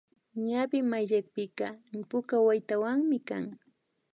Ñawi mayllapika puka waytawami kan